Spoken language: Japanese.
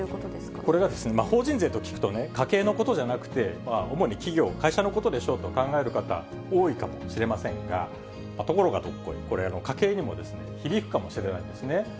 これが法人税と聞くとね、家計のことじゃなくて、主に企業、会社のことでしょうと考える方、多いかもしれませんが、ところがどっこい、これ、家計にも響くかもしれないんですね。